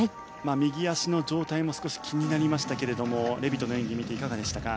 右足の状態も少し気になりましたけれどもレビトの演技見ていかがでしたか？